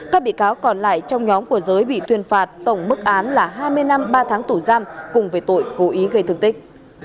các bị cáo còn lại trong nhóm của giới bị tuyên phạt tổng mức án là hai mươi năm ba tháng tù giam cùng về tội cố ý gây thương tích